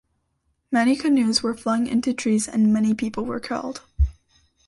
Many canoes were flung into trees and many people were killed.